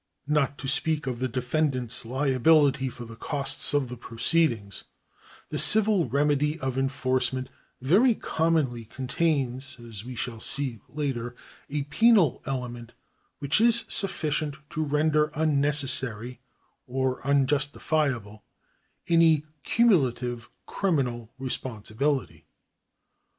Not to speak of the defendant's liabihty for the costs of the pro ceedings, the civil remedy of enforcement very commonly contains, as we shall see later, a penal element which is sufficient to render unnecessary or unjustifiable any cumu lative criminal responsibility.